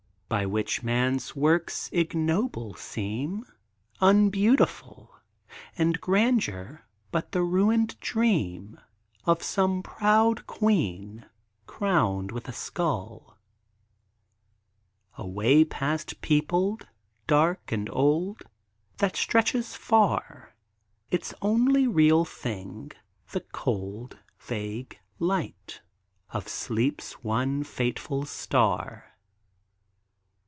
By which man's works ignoble seem, Unbeautiful; And grandeur, but the ruined dream Of some proud queen, crowned with a skull. A way past peopled, dark and old, That stretches far Its only real thing, the cold Vague light of sleep's one fitful star.